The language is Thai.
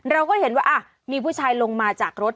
เราก็เห็นว่ามีผู้ชายลงมาจากรถ